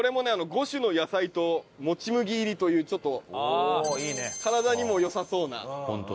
５種の野菜ともち麦入りというちょっと体にも良さそうな。